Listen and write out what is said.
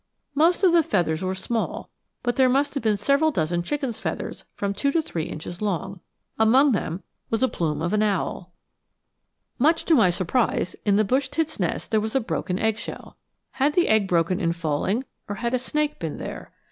Most of the feathers were small, but there must have been several dozen chicken's feathers from two to three inches long. Among them was a plume of an owl. [Illustration: POCKET NEST IN AN OAK] Much to my surprise, in the bush tit's nest there was a broken eggshell. Had the egg broken in falling, or had a snake been there?